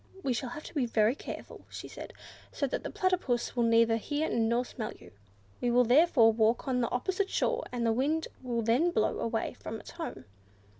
"We shall have to be very careful," she said, "so that the Platypus will neither hear nor smell you. We will therefore walk on the opposite shore, as the wind will then blow away from its home."